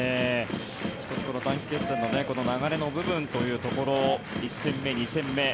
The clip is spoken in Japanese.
１つ、短期決戦の流れの部分というところ１戦目、２戦目。